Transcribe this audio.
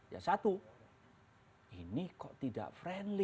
ya satu ini kok tidak friendly